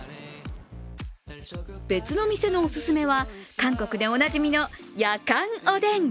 別の店のおすすめは、韓国でおなじみの、やかんおでん。